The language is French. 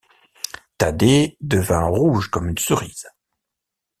Thaddée devint rouge comme une cerise.